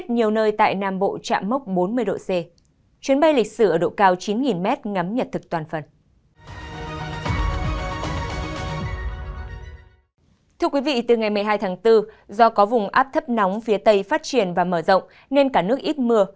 thưa quý vị từ ngày một mươi hai tháng bốn do có vùng áp thấp nóng phía tây phát triển và mở rộng nên cả nước ít mưa